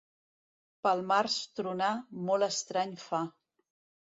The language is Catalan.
Pel març tronar, molt estrany fa.